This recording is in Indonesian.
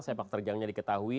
sepak terjangnya diketahui